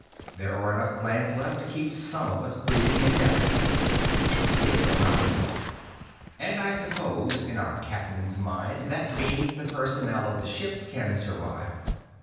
"There are enough plants left to keep some of us breathing indefinitely." Pietro nodded. "And I suppose, in our captain's mind, that means the personnel of the ship can survive.